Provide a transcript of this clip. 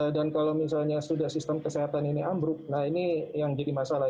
dan kalau misalnya sudah sistem kesehatan ini ambruk nah ini yang jadi masalah